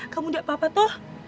kamu tidak apa apa toh